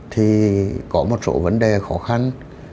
thì có một số vấn đề khó khăn